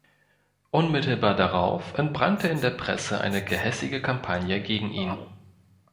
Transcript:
Unmittelbar darauf entbrannte in der Presse eine gehässige Kampagne gegen ihn.